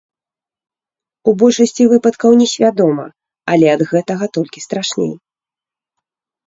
У большасці выпадкаў несвядома, але ад гэтага толькі страшней.